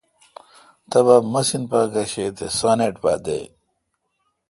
تبا مِسین پا گشے تے سانیٹ پا دے۔